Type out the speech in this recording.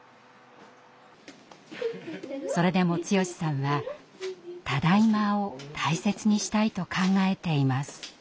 それでも剛さんは「ただいま」を大切にしたいと考えています。